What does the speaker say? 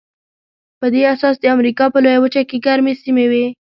په دې اساس د امریکا په لویه وچه کې ګرمې سیمې وې.